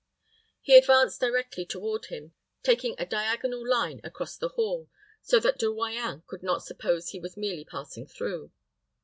He advanced directly toward him, taking a diagonal line across the hall, so that De Royans could not suppose he was merely passing through.